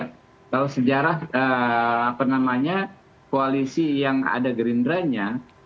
kalau sejarah koalisi yang ada gerindranya